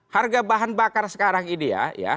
harga bahan bakar sekarang ini ya